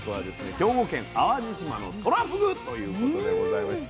兵庫県淡路島のとらふぐということでございまして。